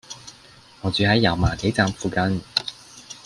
我住喺油麻地站附近